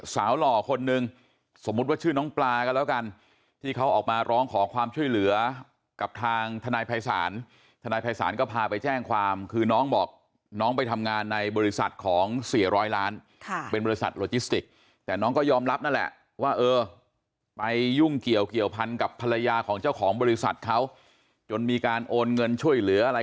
หล่อคนนึงสมมุติว่าชื่อน้องปลาก็แล้วกันที่เขาออกมาร้องขอความช่วยเหลือกับทางทนายภัยศาลทนายภัยศาลก็พาไปแจ้งความคือน้องบอกน้องไปทำงานในบริษัทของเสียร้อยล้านค่ะเป็นบริษัทโลจิสติกแต่น้องก็ยอมรับนั่นแหละว่าเออไปยุ่งเกี่ยวเกี่ยวพันกับภรรยาของเจ้าของบริษัทเขาจนมีการโอนเงินช่วยเหลืออะไร